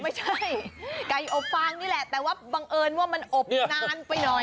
ไม่ใช่ไก่อบฟางนี่แหละแต่ว่าบังเอิญว่ามันอบนานไปหน่อย